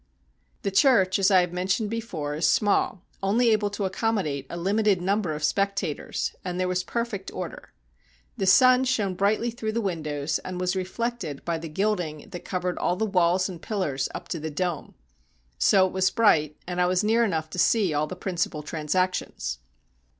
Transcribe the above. The church, as I have mentioned before, is small, only able to accommodate a Hmited number of spectators, and there was perfect order. The sun shone brightly through the windows, and was reflected by the gilding that covered all the walls and pillars up to the dome. So it was bright, and I was near enough to see all the prin cipal transactions.